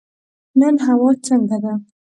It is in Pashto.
نن هوا څنګه ده؟